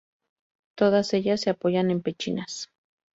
Todas ellas se apoyan en pechinas.